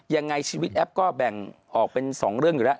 ยังไงชีวิตแอปก็แบ่งออกเป็น๒เรื่องอยู่แล้ว